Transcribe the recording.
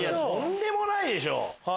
とんでもないでしょ。